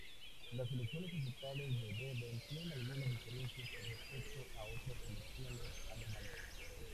Las elecciones estatales de Bremen tienen algunas diferencias con respecto a otras elecciones alemanas.